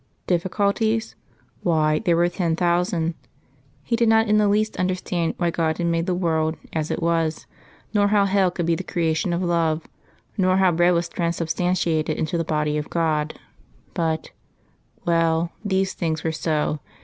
Difficulties? Why, there were ten thousand. He did not in the least understand why God had made the world as it was, nor how Hell could be the creation of Love, nor how bread was transubstantiated into the Body of God but well, these things were so.